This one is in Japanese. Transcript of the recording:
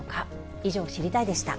以上、知りたいッ！でした。